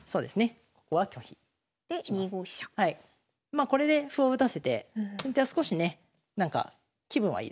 まあこれで歩を打たせて先手は少しねなんか気分はいいですね。